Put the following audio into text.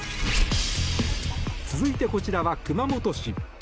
続いて、こちらは熊本市。